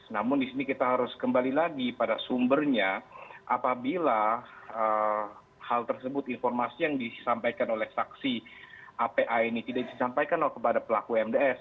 namun di sini kita harus kembali lagi pada sumbernya apabila hal tersebut informasi yang disampaikan oleh saksi apa ini tidak disampaikan kepada pelaku mds